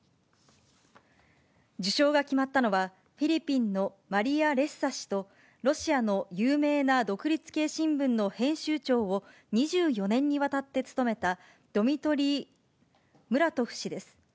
受賞が決まったのは、フィリピンのマリア・レッサ氏と、ロシアの有名な独立系新聞の編集長を２４年にわたって務めた、ドミトリー・ムラトフ氏です。